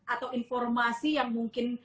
atau informasi yang mungkin